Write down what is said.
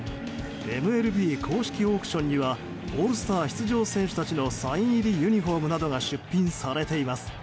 ＭＬＢ公式オークションにはオールスター出場選手たちのサイン入りユニホームなどが出品されています。